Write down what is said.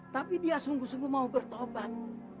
tapi dia sungguh sungguh mau bertobat